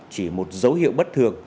chỉ một dấu hiệu bất thường